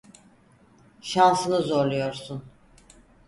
Şansını zorluyorsun.